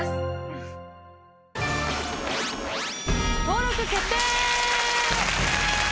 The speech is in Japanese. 登録決定！